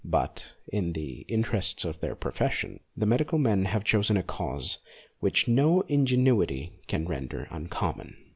But, in the interests of their profession, the medical men have chosen a cause which no ingenuity can render uncommon.